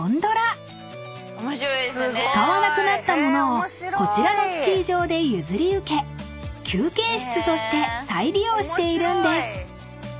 ［使わなくなった物をこちらのスキー場で譲り受け休憩室として再利用しているんです］